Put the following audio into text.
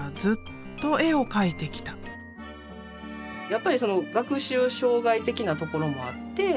やっぱりその学習障害的なところもあって。